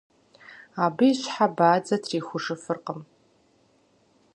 Абы и щхьэ бадзэ трихужыфыркъым.